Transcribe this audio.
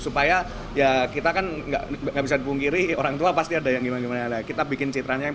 supaya ya kita kan nggak bisa dipungkiri orang tua pasti ada yang gimana gimana ya kita bikin citranya